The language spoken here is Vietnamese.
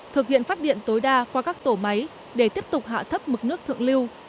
thực hiện phát điện tối đa qua các tổ máy để tiếp tục hạ thấp mực nước thượng lưu